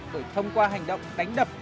để thông qua hành động đánh đập